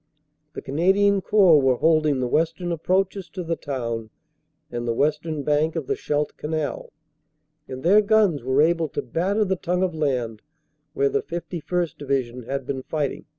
The Canadian Corps were holding the western approaches to the town and the western bank of the Scheldt canal, and their guns were able to batter the tongue of land where the 51st. Division had been fighting.